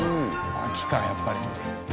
秋かやっぱり。